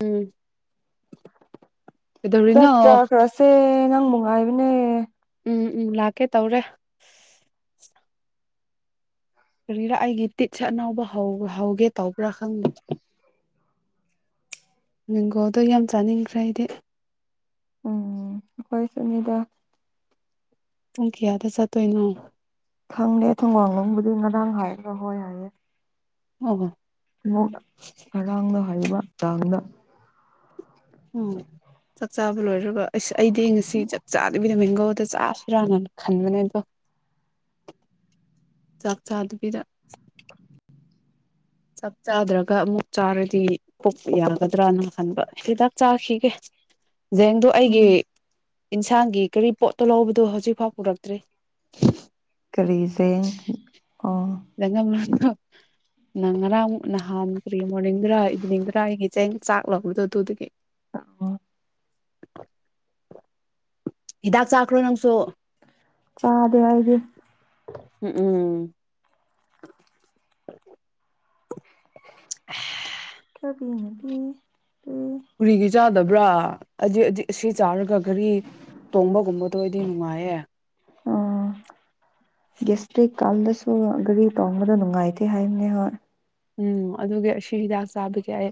ꯎꯝ [unintelligible] ꯆꯥꯛ ꯀꯩꯗꯧꯔꯤꯅꯣ ꯆꯥꯛ ꯀ ꯔꯣꯁꯦ ꯑꯨꯡꯃꯨꯡꯉꯥ ꯏꯕꯅꯦ ꯎꯝ ꯎꯝ ꯂꯥꯛꯀꯦ ꯇꯧꯔꯦ ꯀꯔꯤꯔꯥ ꯑꯩꯒꯤ ꯇꯤꯠꯁꯦ ꯑꯅꯥꯎꯕ ꯍꯧꯒꯦ ꯇꯧꯕ꯭ꯔꯥ ꯈꯪꯉꯤ ꯃꯤꯡꯒꯣꯗꯣ ꯌꯥꯝ ꯆꯥꯅꯤꯡꯈ꯭ꯔꯦ ꯑꯩꯗꯤ ꯍꯈꯣꯏ ꯁꯨꯅꯤꯗ ꯄꯨꯡ ꯀꯌꯥꯗ ꯆꯠꯇꯣꯏꯅꯣ ꯈꯪꯅꯦꯦ ꯊꯣꯡꯒꯡꯂꯣꯡꯕꯨꯗꯤ ꯉꯔꯥꯡ ꯍꯥꯏꯔꯒ ꯍꯣꯏ ꯍꯥꯏꯌꯦꯦ ꯑꯣ ꯍ ꯉꯔꯥꯡꯗ ꯍꯥꯏꯔꯤꯕ ꯇꯥꯡꯅ ꯎꯝ ꯆꯥꯛ ꯆꯥꯕ ꯂꯣꯏꯔꯒ ꯑꯩ ꯑꯩꯗꯤ ꯉꯁꯤ ꯆꯥꯛ ꯆꯥꯗꯕꯤꯗ ꯃꯦꯡꯒꯧꯗ ꯆꯥꯔ ꯏꯔꯥꯅꯅ ꯈꯟꯕꯅꯦ ꯑꯗꯣ ꯆꯥꯛ ꯆꯥꯗꯕꯤꯗ ꯆꯞ ꯆꯥꯗ꯭ꯔꯒ ꯑꯃꯨꯛ ꯆꯥꯔꯗꯤ ꯀꯣꯛꯛ ꯌꯥꯒꯗ꯭ꯔꯅ ꯈꯟꯕ ꯍꯤꯗꯥꯛ ꯆꯥꯈꯤꯒꯦ ꯖꯦꯡꯗꯨꯣ ꯑꯩꯒꯤ ꯏꯟꯁꯥꯡꯒꯤ ꯀꯔꯤ ꯄꯣꯠꯇꯣ ꯂꯧꯕꯗꯣ ꯍꯧꯖꯤꯛ ꯐꯥꯎ ꯄꯨꯔꯛꯇ꯭ꯔꯤ ꯀꯔꯤꯖ ꯑꯣ ꯅꯪ ꯉꯔꯥꯡ ꯅꯍꯥꯟ ꯀꯔꯤꯝ ꯃꯣꯔꯅꯤꯡꯗꯨꯔ ꯏꯚꯅꯤꯡꯗꯨꯔ ꯑꯩꯒꯤ ꯆꯦꯡ ꯆꯥꯛ ꯂꯥꯛꯄꯗ ꯑꯗꯨꯗꯒꯤ [inaudible] ꯍꯤꯗꯥꯛ ꯆꯥꯈ꯭ꯔꯣ ꯅꯪꯁꯨ ꯆꯥꯗ ꯑꯏꯗ ꯎꯝ ꯎꯝ [inaudible] [inaudible] ꯀꯌꯥꯕꯤꯅꯦ ꯄ ꯄꯨꯔꯒꯦ ꯆꯥꯗꯕ꯭ꯔꯥ ꯍꯧꯖꯤ ꯍꯧ ꯁꯤ ꯆꯥꯔꯒ ꯘꯔꯤ ꯇꯣꯡꯕꯒꯨꯝꯕꯗꯣ ꯑꯩꯗꯤ ꯅꯨꯡꯉꯥꯏꯌꯦ ꯑꯣ ꯑꯣ ꯒꯥꯔꯤ ꯇꯣꯡꯕꯗꯣ ꯅꯨꯡꯉꯥꯏꯇꯦ ꯍꯥꯏꯕꯅꯦ ꯍꯣꯏ ꯎꯝ ꯑꯗꯨꯒꯤ ꯑꯁꯤ ꯍꯤꯗꯥꯛ ꯆꯥꯕꯒꯤ ꯑꯩ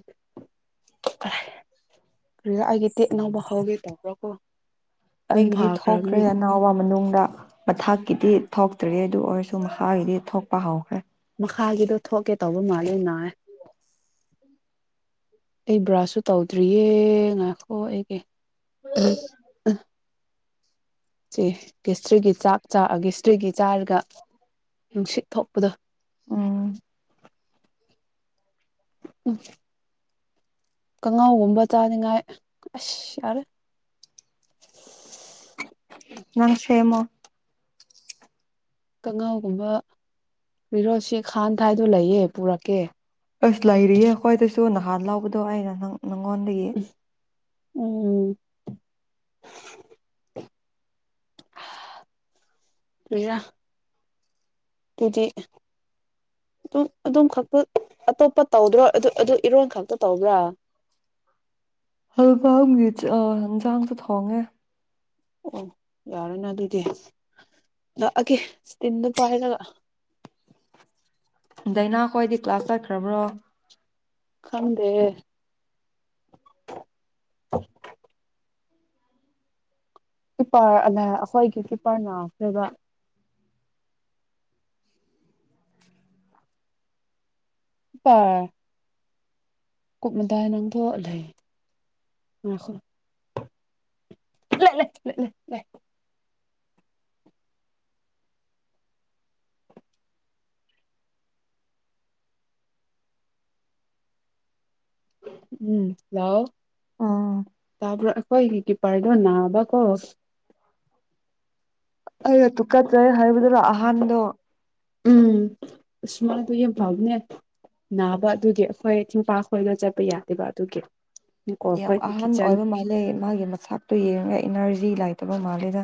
ꯑꯩꯒꯤ ꯇꯦꯠ ꯅꯕꯈꯥꯎꯒꯦ ꯇꯧꯔꯀꯣ ꯑꯩꯒꯤꯗꯤ ꯊꯣꯛꯈ꯭ꯔꯦ ꯑꯅꯥꯎꯕ ꯃꯅꯨꯡꯗ ꯃꯊꯥꯛꯀꯤꯗꯤ ꯊꯣꯛꯇꯔꯤ ꯑꯗꯨ ꯑꯣꯏꯔꯁꯨ ꯃꯍꯥꯛꯀꯤꯒꯤꯗꯤ ꯊꯣꯛꯄ ꯍꯧꯈ꯭ꯔꯦ ꯈꯥꯒꯤꯗꯣ ꯊꯣꯛꯀꯦ ꯇꯧꯕ ꯃꯥꯜꯂꯦ ꯅꯥ ꯑꯩ ꯕ꯭ꯔꯁꯁꯨ ꯇꯧꯗ꯭ꯔꯤꯌꯦ ꯉꯥꯏꯈꯑꯣ ꯑꯩꯒꯤ ꯑ ꯑ ꯆꯦ ꯀꯦꯁꯇ꯭ꯔꯤꯒꯤ ꯆꯥꯛ ꯆꯥꯛꯑꯒꯦ ꯁꯤꯇꯔꯤꯒꯤ ꯆꯥꯔꯒ ꯅꯨꯡꯁꯤꯠ ꯊꯣꯛꯄꯗ ꯎꯝ ꯎꯝ ꯀꯥꯡꯉꯥꯎꯒꯨꯝꯕ ꯆꯥꯅꯤꯡꯉꯥꯏ ꯑꯁ ꯌꯥꯔꯦ ꯅꯪ ꯁꯦꯃꯣ ꯀꯥꯡꯉꯥꯎꯒꯨꯝꯕ ꯔꯣꯁꯤ ꯈꯥꯟ ꯊꯥꯏꯗꯣ ꯂꯩꯌꯦ ꯄꯨꯔꯛꯀꯦ ꯑꯁ ꯂꯩꯔꯤꯌꯦ ꯈ꯭ꯋꯥꯏꯗꯁꯨ ꯅꯍꯥꯟ ꯂꯥꯎꯕꯗꯣ ꯑꯩꯅ ꯅꯪ ꯅꯪꯉꯣꯟꯗꯒꯤ ꯎꯝ ꯄꯖꯥ ꯑꯗꯨꯗꯤ ꯑꯗꯨꯝ ꯑꯗꯨꯝ ꯈꯛꯇ ꯑꯇꯣꯞꯄ ꯇꯧꯗ꯭ꯔꯣ ꯑꯗꯨ ꯑꯗꯨ ꯏꯔꯣꯟ ꯈꯛꯇ ꯇꯧꯕ꯭ꯔꯥ ꯍꯜꯕ ꯃꯤꯆ ꯑ ꯏꯟꯖꯥꯡꯁꯨ ꯊꯣꯡꯉꯦ ꯑꯣ ꯌꯥꯔꯦꯅꯦ ꯑꯗꯨꯗꯤ ꯂꯥꯛꯑꯒꯦ ꯇꯤꯟꯗꯣ ꯄꯥꯏꯔꯒ ꯗꯥꯏꯅꯥꯈꯣꯏꯗꯤ ꯀ꯭ꯂꯥꯁ ꯆꯠꯈ꯭ꯔꯕ꯭ꯔꯣ ꯈꯪꯗ ꯀ꯭ꯄꯔ ꯑ ꯑꯩꯈꯣꯏꯒꯤ ꯀ꯭ꯔꯤꯄꯔ ꯅꯥꯎꯕ ꯑ ꯀꯨꯞꯃꯗꯥ ꯅꯪꯗ ꯂꯩ ꯑꯣꯏ [inaudible] ꯎꯝ ꯂꯥꯛꯑꯣ ꯑꯥ ꯇꯥꯕꯔꯣ ꯀꯤꯄꯔꯗ ꯅꯕꯥꯀꯣ ꯑ ꯇꯨꯀꯠ ꯆꯦ ꯍꯥꯏꯕꯗꯨꯗ ꯑꯍꯥꯟꯕꯗꯣ ꯎꯝ ꯁꯨꯃꯥꯏ ꯑꯗꯨ ꯌꯥꯝ ꯐꯕꯅꯦ ꯅꯥꯕ ꯑꯗꯨꯒꯤ ꯑꯩꯈꯣꯏ ꯊꯤꯡꯝꯄꯥꯛ ꯈꯣꯏꯒ ꯆꯠꯄ ꯌꯥꯗꯦꯕ ꯑꯗꯨꯒꯤ ꯅꯤꯀꯣꯜ ꯌꯥꯝ ꯈꯣꯏꯒꯤ ꯑꯍꯥꯟꯕ ꯀꯤꯠꯆꯟ ꯑꯣꯏꯕ ꯃꯥꯜꯂꯦ ꯃꯥꯒꯤ ꯃꯆꯇꯣ ꯌꯦꯡꯉꯒ ꯏꯅꯔꯖꯤ ꯂꯩꯇꯕ ꯃꯥꯜꯂꯦꯗ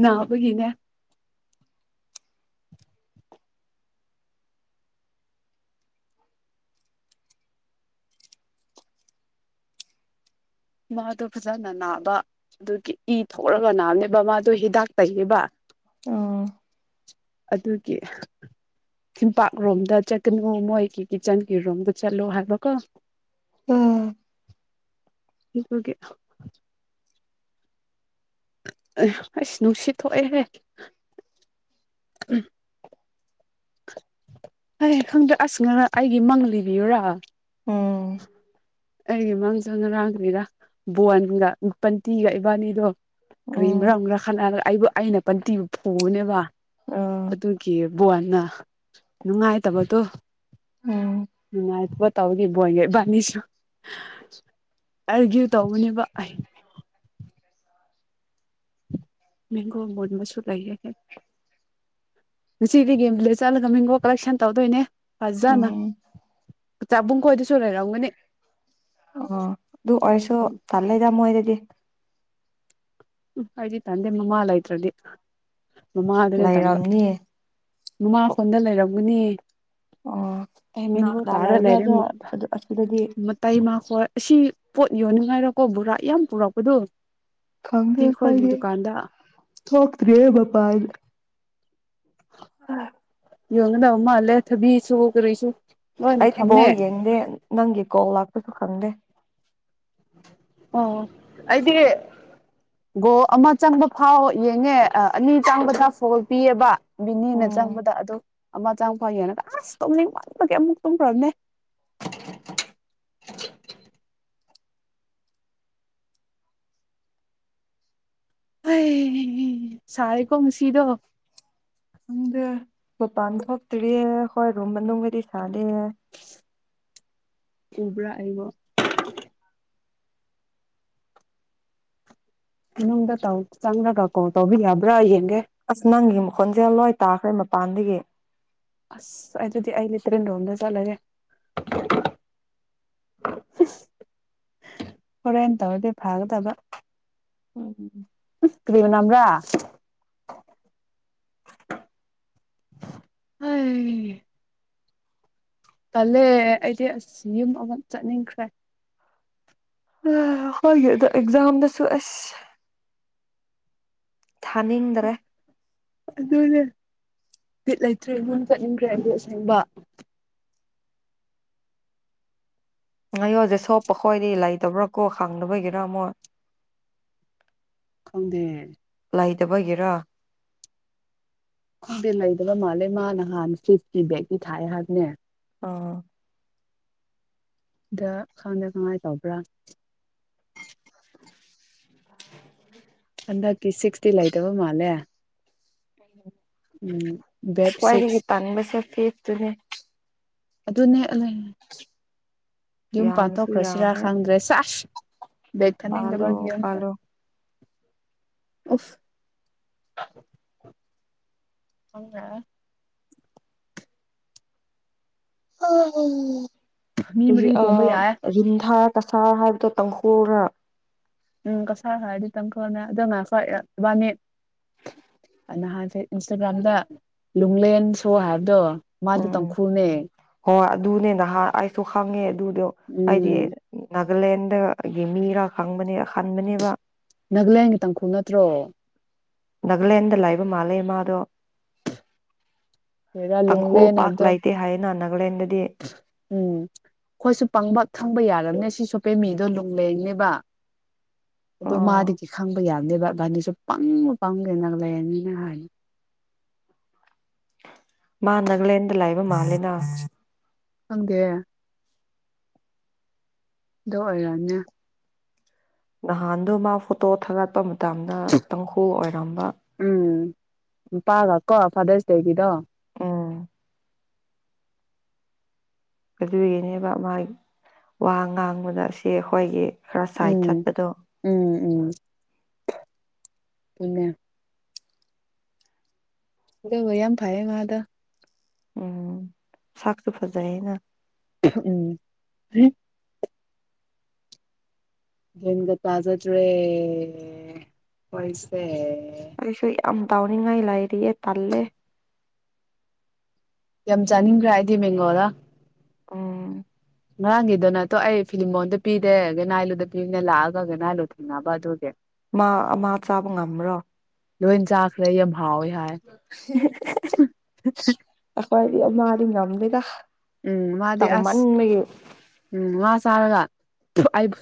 ꯅꯥꯕꯒꯤꯅꯦ ꯃꯥꯗꯣ ꯐꯖꯅ ꯅꯥꯕ ꯑꯗꯨꯒꯤ ꯏ ꯊꯣꯛꯔꯒ ꯅꯥꯝꯅꯦꯕ ꯃꯥꯗꯣ ꯍꯤꯗꯥꯛ ꯇꯩꯕ ꯑꯥ ꯑꯗꯨꯒꯤ ꯇꯝꯄꯥꯛꯔꯣꯝꯗ ꯆꯠꯀꯅꯨ ꯃꯣꯏꯒꯤ ꯀꯤꯠꯆꯟꯒꯤ ꯔꯣꯝꯗ ꯆꯠꯂꯣ ꯍꯥꯏꯕꯀꯣ ꯎꯝ ꯊꯀꯒꯦ ꯑꯁ ꯅꯨꯡꯁꯤꯠ ꯊꯣꯛꯑꯦꯍꯦ ꯎꯝ ꯐ ꯈꯪꯗ꯭ꯔꯦ ꯑꯁꯅꯪ ꯑꯩꯒꯤ ꯃꯪ ꯂꯤꯕꯤꯌꯨꯔꯥ ꯎꯝ ꯑꯩꯒꯤ ꯃꯥꯡꯁ ꯉꯔꯥꯡꯈꯔꯤꯔ ꯕꯣꯟꯒ ꯄꯟꯇꯤꯒ ꯏꯕꯥꯅꯤꯗꯣ ꯀꯔꯤ ꯎꯝ ꯃꯔꯝ ꯈꯠꯅꯕ ꯑꯩꯕꯨ ꯑꯩꯅ ꯄꯟꯇꯤꯕꯨ ꯄꯨꯕꯅꯦꯕ ꯑ ꯑꯗꯨꯨꯒꯤ ꯕꯅ ꯅꯨꯡꯉꯥꯏꯇꯕꯗꯣ ꯎꯝ ꯅꯨꯡꯉꯥꯏꯇꯕ ꯇꯧꯗꯤ ꯏ ꯕꯣꯏꯒꯤ ꯏꯕꯥꯅꯤꯁꯨ ꯑꯔꯒ꯭ꯌꯨ ꯇꯧꯕꯅꯦꯕ ꯑꯩ ꯃꯦꯟꯒꯣ ꯃꯨꯟꯕꯁꯨ ꯂꯩꯌꯦꯍꯦ ꯉꯁꯤꯗꯤ [unintelligible] ꯅꯃꯤꯡꯈꯣ ꯀꯂꯦꯛꯁꯟ ꯇꯧꯗꯣꯏꯅꯦ ꯐꯖꯅ ꯎꯝ ꯆꯥꯕꯨꯡ ꯈꯣꯏꯗꯁꯨ ꯂꯩꯔꯝꯒꯅꯤ ꯑꯣ ꯑꯗꯨ ꯑꯣꯏꯁꯨ ꯎꯝ ꯇꯜꯂꯦꯗ ꯃꯣꯏꯗꯗꯤ ꯎ ꯍꯥꯏꯗꯤ ꯇꯟꯗꯦ ꯃꯃ ꯂꯩꯇꯔꯥꯗꯤ ꯃꯃ ꯑꯗꯨꯅꯦ ꯇꯝꯕ ꯂꯩꯔꯝꯅꯤ ꯅꯃꯥꯈꯣꯟꯗ ꯂꯩꯔꯝꯒꯅꯦ ꯑꯣ ꯀꯅꯥ ꯇꯃꯤꯒ ꯀꯅꯥ ꯇꯥꯔ ꯂꯩꯕ꯭ꯔꯥ ꯑꯗꯣ ꯂꯩꯔꯦꯗ ꯑꯗꯨ ꯑꯁꯤꯗꯗꯤ ꯃꯇꯥꯏ ꯃꯥ ꯑꯁꯤ ꯄꯣꯠ ꯌꯣꯟꯅꯤꯡꯉꯥꯏꯔꯣꯀꯣ ꯕꯣꯔꯥ ꯌꯥꯝ ꯄꯨꯔꯛꯄꯗꯣ ꯈꯪꯗꯦ ꯏꯇꯤ ꯈꯣꯏꯒꯤ ꯑꯩꯈꯣꯢꯗꯤ ꯗꯨꯀꯥꯟꯗ ꯊꯣꯛꯇ꯭ꯔꯤꯕ ꯃꯄꯥꯟ ꯑꯗꯨ ꯑ ꯌꯣꯟꯗ ꯎꯃꯜꯂꯦ ꯊꯕꯤꯁꯨ ꯀꯔꯤꯁꯨ ꯂꯣꯏꯅ ꯑꯩꯗꯤ ꯊꯝꯃꯦ ꯕꯣꯜ ꯌꯦꯡꯗꯦ ꯅꯪꯒꯤ ꯀꯣꯜ ꯂꯥꯛꯄꯁꯨ ꯈꯪꯗꯦ ꯑꯣ ꯑꯩꯗꯤ ꯒꯣ ꯑꯃ ꯆꯪꯕ ꯐꯥꯎ ꯌꯦꯡꯉꯦ ꯑꯅꯤ ꯆꯪꯕꯗ ꯐꯣꯜ ꯄꯤꯑꯕ ꯕꯤꯅꯤꯅ ꯎꯝ ꯆꯪꯕꯗ ꯑꯗꯨ ꯑꯃ ꯆꯪꯕ ꯐꯥꯎ ꯌꯦꯡꯉꯒ ꯑꯁ ꯇꯨꯝꯅꯤꯡ ꯋꯥꯟꯕꯒꯤ ꯑꯃꯨꯛ ꯇꯨꯝꯈ꯭ꯔꯕꯅꯦ ꯁꯔꯀꯣ ꯃ ꯁꯤꯗꯣ ꯈꯪꯗꯦ ꯃꯄꯥꯟ ꯊꯣꯛꯇ꯭ꯔꯤꯌꯦ ꯍꯣꯏ ꯔꯨꯝ ꯃꯅꯨꯡꯗꯗꯤ ꯁꯥꯗꯌꯦ ꯀꯕ꯭ꯔꯥ ꯑꯔꯤꯕ ꯅꯨꯡꯗ ꯇꯥꯎ ꯆꯪ꯭ꯔꯒꯀꯣ ꯇꯧꯕꯤ ꯌꯥꯕ꯭ꯔꯥ ꯌꯦꯅꯤ ꯑꯁ ꯅꯪꯒꯤ ꯃ ꯈꯣꯟꯖꯂꯣ ꯇꯥꯈ꯭ꯔꯦ ꯃꯄꯥꯟꯗꯒꯤ ꯑꯁ ꯑꯗꯨ ꯑꯗꯨꯗꯤ ꯑꯩ ꯂꯤ ꯇ꯭ꯔꯦꯟ ꯂꯣꯝꯗ ꯆꯠꯂꯒꯦ [unintelligible] ꯍꯣꯔꯦꯟ ꯇꯧꯔꯗꯤ ꯐꯥꯒꯗꯕ ꯑꯣꯝ ꯀꯔꯤꯕ꯭ꯔꯥ ꯍ ꯄꯜꯂꯦ ꯑꯩꯗꯤ ꯑꯁ ꯌꯨꯝ ꯑꯃ ꯆꯠꯅꯤꯡꯈ꯭ꯔꯦ ꯑ ꯍꯣꯏ ꯑꯦꯛꯖꯝꯗꯁꯨꯁꯨ ꯑꯁ ꯊꯥꯅꯤꯡꯗ꯭ꯔꯦ ꯑꯗꯨꯅꯦ ꯂꯤꯠ ꯂꯩꯇ꯭ꯔꯔꯤ ꯏꯣꯟ ꯆꯠꯅꯤꯡꯗ꯭ꯔꯦ ꯑꯗꯨ ꯑꯁꯦꯡꯕ ꯉꯌꯣꯖꯤꯦ ꯁꯣꯞꯄ ꯈꯣꯏꯗꯤ ꯂꯩꯇꯕ꯭ꯔꯥ ꯀꯣ ꯈꯪꯗꯕꯒꯤꯔ ꯑꯃꯨꯛ ꯈꯪꯗꯦ ꯏꯗꯕꯒꯦꯔ ꯈꯪꯗꯤ ꯂꯩꯗꯕ ꯃꯥꯜꯂꯦ ꯃꯥ ꯅꯍꯥꯟ ꯁ꯭ꯤꯐꯀꯤ ꯕꯦꯒꯤ ꯊꯥꯏ ꯍꯥꯏꯕꯅꯦ ꯑꯥ ꯗ ꯈꯪꯗ ꯉꯥꯏ ꯇꯧꯕ꯭ꯔꯥ [unintelligible] ꯍꯟꯗꯛꯀꯤ ꯁꯤꯛꯁꯇꯤ ꯂꯩꯇꯕ ꯃꯥꯜꯂꯦ ꯎꯝ ꯕꯦꯞ ꯀꯥꯏ ꯁꯤꯛꯁ ꯇꯅꯤꯕꯁꯦ ꯐꯦ ꯇꯗꯤ ꯑꯗꯨ ꯑꯗꯨꯅꯦ ꯌꯨꯝ ꯌꯥꯝꯁꯨ ꯄꯥꯟꯊꯣꯛꯈ꯭ꯔꯁꯤꯔꯥ ꯌꯥꯝꯃꯦ ꯈꯪꯗ꯭ꯔꯦ ꯆꯁ ꯕꯦꯛ ꯈꯅ ꯄꯥꯜꯂꯣ ꯗꯕꯒꯤ ꯑꯣꯐ ꯄꯥꯜꯂꯣ [unintelligible] ꯍꯗ ꯑ ꯃꯤ ꯎ ꯃꯔꯤ ꯑ ꯇꯣꯡꯕ ꯌꯥꯏ ꯔꯔꯤꯙꯥ ꯀꯁꯥꯔ ꯍꯥꯏꯕꯗꯣ ꯇꯪꯈꯨꯅ ꯎꯝ ꯀꯁꯥꯔ ꯍꯥꯏꯔꯗꯤ ꯇꯪ ꯈꯔꯅꯦ ꯑꯗꯨ ꯉ ꯈꯕꯥꯅꯤ ꯅꯍꯥꯟꯁꯦ ꯏꯟꯁꯇꯥꯒ꯭ꯔꯥꯝꯗ ꯂꯨꯡꯂꯦꯟ ꯁꯣ ꯍꯥꯏꯕꯗꯣ ꯃꯥꯗꯤ ꯇꯥꯡꯈꯨꯜꯅꯦ ꯨꯅꯦ ꯅꯍꯥ ꯑꯩꯁꯨ ꯈꯥꯡꯉꯦ ꯑꯗꯨꯗꯣ ꯑꯩꯗꯤ ꯎꯝ ꯅꯥꯒꯥꯂꯦꯟꯗꯒꯤ ꯃꯤꯔꯥ ꯈꯪꯕꯅꯦ ꯍꯟꯥꯟꯕꯅꯦꯕ ꯅꯥꯒꯂꯦꯟꯒꯤ ꯇꯪꯈꯨꯜ ꯅꯠꯇ꯭ꯔꯣ ꯅꯥꯒꯥꯂꯦꯟꯗ ꯂꯥꯛꯕ ꯃꯥꯜꯂꯦ ꯃꯥꯗꯣ ꯂꯩꯔꯥ ꯂꯨꯡꯂꯦ ꯇꯥꯡꯈꯨꯜ ꯄꯥꯛ ꯍꯥꯏꯕꯗꯣ ꯂꯩꯇꯦ ꯍꯥꯏꯌꯦꯅ ꯅꯥꯒꯥꯂꯦꯟꯗꯗꯤ ꯎꯝ ꯑꯈꯣꯏꯁꯨ ꯄꯪꯕ ꯈꯪꯕ ꯌꯥꯔꯝꯅꯦ ꯁꯤ ꯁꯣꯄꯦ ꯃꯤꯗꯣ ꯂꯨꯡꯂꯦꯅꯦꯕ ꯑꯗꯣ ꯑꯣ ꯃꯥꯗꯒꯤ ꯈꯪꯕ ꯌꯥ ꯅꯦꯕ ꯐꯕꯥꯅꯥꯁꯨ ꯄꯪꯉ ꯄꯪꯉꯦ ꯅꯒꯥꯂꯦꯟ ꯂꯩꯅꯤꯅ ꯍꯥꯏ ꯃꯥ ꯅꯒꯂꯦꯟꯗ ꯂꯩꯕ ꯃꯥꯜꯂꯦꯅ ꯈꯪꯗꯦ ꯑꯗꯨ ꯑꯣꯏꯔꯝꯅꯤ ꯅꯍꯥꯟꯗꯣ ꯃꯥ ꯐꯣꯇꯣ ꯊꯥꯒꯠꯄ ꯃꯇꯝꯗ ꯇꯪꯈꯨꯜ ꯑꯣꯏꯔꯝꯕ ꯃꯄꯥꯒ ꯀꯣ ꯐꯥꯗꯔꯁ ꯗꯦꯒꯤꯗꯣ ꯎꯝ ꯑꯗꯨꯒꯤꯅꯦꯕ ꯃꯥ ꯋꯥ ꯉꯥꯡꯕꯗ ꯁꯤ ꯑꯈꯣꯏꯒꯤ ꯎꯝ ꯎꯝ ꯎꯝ [unintelligible] ꯅꯦ ꯑꯗꯨꯒ ꯌꯥꯝ ꯐꯩꯌꯦ ꯃꯥꯗꯣ ꯎꯝ ꯁꯥꯛꯁꯨ ꯐꯖꯩꯅ ꯎꯝ ꯒ꯭ꯌꯥꯟꯒ ꯇꯥꯖꯗ꯭ꯔꯦ ꯈꯣꯏꯁꯦ ꯑꯩꯁꯨ ꯌꯥꯝ ꯇꯧꯅꯤꯡꯉꯥꯏ ꯂꯥꯏꯔꯤꯌꯦ ꯇꯜꯂꯦ ꯌꯥꯝ ꯆꯥꯅꯤꯡꯈ꯭ꯔꯥ ꯑꯩꯗꯤ ꯃꯦꯡꯒꯣꯗꯣ ꯑꯣ ꯉꯔꯥꯡꯒꯤꯗꯨ ꯅꯠꯇꯣ ꯑꯩ ꯐꯤꯂꯤꯝꯃꯣꯟꯗ ꯄꯤꯗꯦ ꯒꯅꯥꯏꯂꯨꯗ ꯄꯤꯅ ꯂꯥꯛꯑꯒ ꯒꯅꯥꯏꯂꯨ ꯊꯦꯡꯅꯕ ꯑꯗꯨꯒꯤ ꯃꯥ ꯃꯥ ꯆꯥꯕ ꯉꯝꯕ꯭ꯔꯣ ꯂꯣꯏ ꯆꯥꯈ꯭ꯔꯦ ꯌꯥꯝ ꯍꯥꯎꯋꯤ ꯍꯥꯏ ꯃꯥꯗꯤ ꯉꯝꯗꯦꯗ ꯎꯝ ꯃꯥꯗꯤ ꯑꯁ ꯆꯥꯎꯃꯟꯕꯒꯤ ꯎꯝ ꯃꯥꯁꯦ ꯆꯥꯔꯒ ꯑꯩꯕꯨ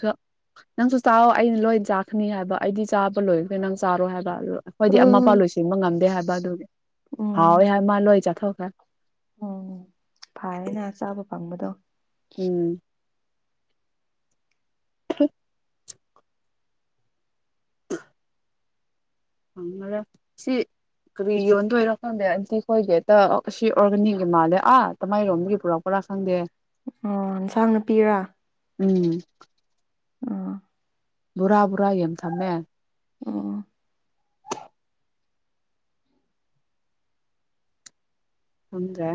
ꯅꯪꯁꯨ ꯆꯥꯎꯋꯣ ꯑꯩꯗꯤ ꯂꯣꯏ ꯆꯥꯛꯀꯅꯤ ꯍꯥꯏꯕ ꯑꯩꯗꯤ ꯆꯥꯕ ꯂꯣꯏꯈ꯭ꯔꯦ ꯅꯪ ꯆꯥꯔꯣ ꯍꯥꯏꯕ ꯑꯈꯣꯏꯗꯤ ꯑꯃ ꯎꯝ ꯐꯥꯎ ꯂꯣꯏꯁꯤꯟꯕ ꯉꯝꯗꯦ ꯍꯥꯏꯕ ꯑꯗꯨꯗꯤ ꯎꯝ ꯍꯥꯎꯋꯦ ꯍꯥꯏꯕ ꯃꯥ ꯂꯣꯏ ꯆꯠꯊꯣꯛ [unintelligible] ꯎꯝ ꯐꯔꯦꯅ ꯆꯥꯕ ꯐꯪꯕꯗꯣ ꯎꯝ [unintelligible] ꯪ ꯁꯤ ꯀꯔꯤ ꯌꯣꯟꯗꯣꯏꯔꯣ ꯈꯪꯗꯦ [unintelligible] ꯑꯁꯤ ꯑꯣꯔꯒꯥꯅꯤꯛꯒꯤ ꯃꯥꯜꯂꯦ ꯑꯥ ꯇꯃꯥꯏꯔꯣꯝꯒꯤ ꯄꯨꯔꯛ ꯄ꯭ꯔꯥ ꯈꯪꯗꯦ ꯑꯣ ꯑꯦꯟꯁꯥꯡꯅꯄꯤꯔ ꯎꯝ ꯕꯣꯔꯥ ꯕꯣꯔꯥ ꯌꯥꯝ ꯊꯝꯃꯦ ꯑꯣ ꯈꯪꯗꯦ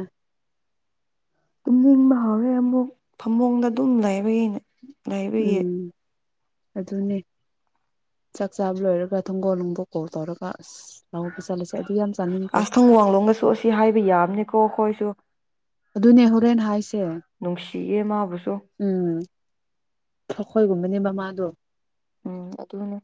ꯇꯨꯝꯅꯤꯡꯕ ꯍꯧꯔꯦ ꯑꯃꯨꯛ ꯐꯃꯨꯡꯗ ꯑꯗꯨꯝ ꯂꯩꯕꯒꯤꯅꯦ ꯂꯩꯕꯒꯤ ꯎꯝ ꯑꯗꯨꯅꯦ ꯆꯥꯛ ꯆꯥꯕ ꯂꯣꯏꯔꯒ ꯊꯣꯡꯒꯣꯜ ꯅꯨꯡꯕꯣꯛ ꯀꯣ ꯇꯧꯔꯒ ꯑꯁ ꯂꯎꯗ ꯆꯠꯂꯁꯤ ꯑꯁꯊꯪ ꯋꯥꯡꯂꯣꯝꯒꯁꯨ ꯑꯁꯤ ꯍꯥꯏꯕ ꯌꯥꯕꯅꯤꯀꯣ ꯍ ꯍꯣꯏꯁꯨ ꯑꯗꯨ ꯅꯦꯍꯣꯔꯦꯟ ꯍꯥꯏꯁꯦ ꯅꯨꯡꯁꯤꯌꯦ ꯃꯥꯕꯨꯁꯨ ꯎꯝ ꯑꯩꯈꯣꯏꯒꯨꯝꯕꯅꯦ ꯃꯃꯥꯗꯣ ꯎꯝ ꯑꯗꯨꯅ